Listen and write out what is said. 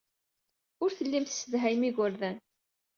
Ur tellim tessedhayem igerdan.